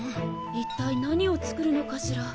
一体何を作るのかしら。